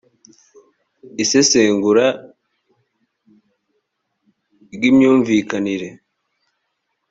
isesengura ry imyumvikanire